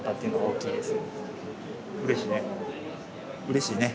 うれしいね。